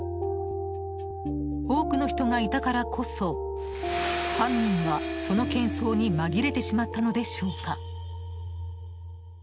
多くの人がいたからこそ犯人はその喧騒に紛れてしまったのでしょうか？